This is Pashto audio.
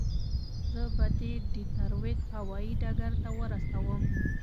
زه به دې ډیترویت هوایي ډګر ته ورسوم.